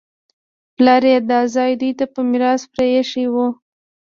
پلار یې دا ځای دوی ته په میراث پرېښی و